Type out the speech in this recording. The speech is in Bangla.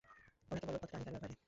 ওনাকে বলো, কথাটা আনিকার ব্যাপারে।